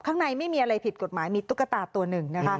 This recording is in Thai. ข้างในไม่มีอะไรผิดกฎหมายมีตุ๊กตาตัวหนึ่งนะคะ